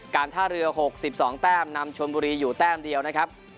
การท่าเรือ๖๒แต้มนำชนบุรีอยู่แต้มเดียวนะครับ